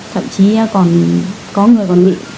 thậm chí có người còn bị